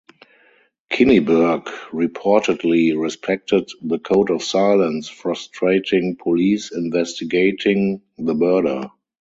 Kinniburgh reportedly respected the code of silence, frustrating police investigating the murder.